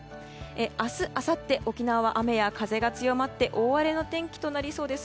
明日、あさって沖縄は雨や風が強まって大荒れの天気となりそうです。